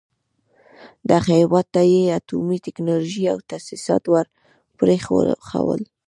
دغه هېواد ته يې اټومي ټکنالوژۍ او تاسيسات ور پرېښول.